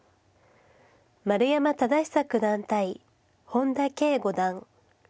丸山忠久九段対本田奎五段。